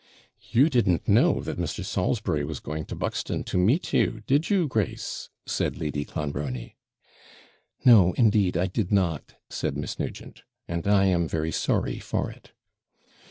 'You didn't know that Mr. Salisbury was going to Buxton to meet you, did you, Grace?' said Lady Clonbrony. 'No, indeed, I did not!' said Miss Nugent; 'and I am very sorry for it.'